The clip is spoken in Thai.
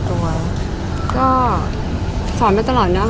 ภาษาสนิทยาลัยสุดท้าย